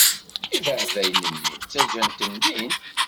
Ibeεbayen-nni, ttaǧǧant-ten din.